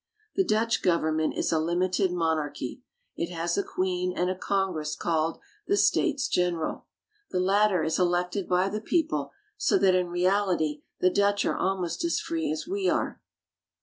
The Dutch government is a limited monarchy. It has a Queen and a Congress called the States General. The latter is elected by the people, so that in reality the Dutch are almost as free as we are.